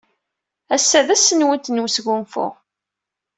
Ass-a d ass-nwent n wesgunfu.